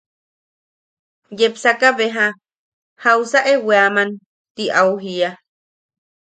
Yepsaka beja –¿Jausa e weaman? Ti au jia.